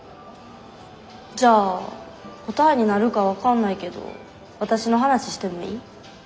じゃあ答えになるか分かんないけどわたしの話してもいい？